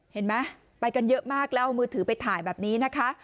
เห็นไหมไปกันเยอะมากแล้วเอามือถือไปถ่ายแบบนี้นะคะ